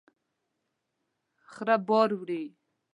خره بار وړي